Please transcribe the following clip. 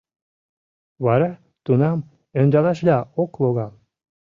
— Вара тунам ӧндалашда ок логал!